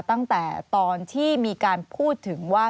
ตั้งแต่ตอนที่มีการพูดถึงว่า